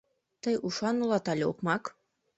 — Тый ушан улат але окмак?